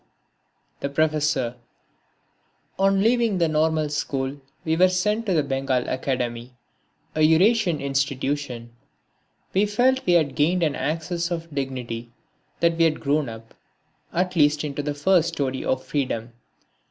(12) The Professor On leaving the Normal School we were sent to the Bengal Academy, a Eurasian institution. We felt we had gained an access of dignity, that we had grown up at least into the first storey of freedom.